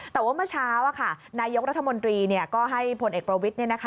แต่ว่าเมื่อเช้านายกรัฐมนตรีก็ให้ผลเอกประวิทย์